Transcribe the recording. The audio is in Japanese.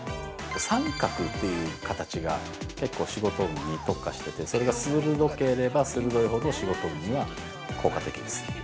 三角という形が、結構仕事運に特化しててそれが鋭ければ鋭いほど仕事運には効果的です。